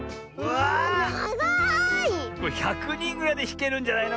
これ１００にんぐらいでひけるんじゃないの？